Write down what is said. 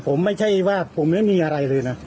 ผมไม่ใช่ว่าผมไม่มีอะไรเลยนะ